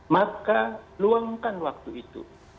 maka luangkan waktu itu